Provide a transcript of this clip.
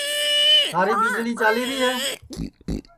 تھاری ٻیجݪی چالیری ہے